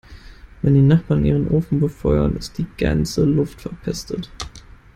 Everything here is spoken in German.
Wenn die Nachbarn ihren Ofen befeuern, ist die ganze Luft verpestet.